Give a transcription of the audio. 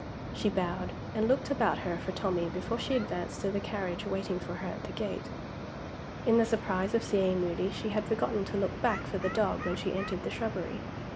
She bowed, and looked about her for Tommie before she advanced to the carriage waiting for her at the gate. In the surprise of seeing Moody she had forgotten to look back for the dog when she entered the shrubbery.